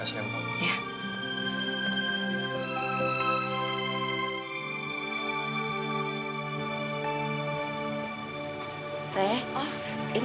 ini sekian paeng ya hunter